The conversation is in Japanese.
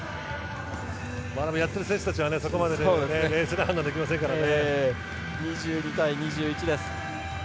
やっている選手たちはそこまで冷静な判断できませんからね。